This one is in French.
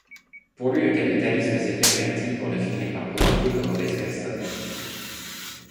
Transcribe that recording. Pour lui le capitalisme s’est perverti pour ne finir par profiter qu’aux mauvaises personnes.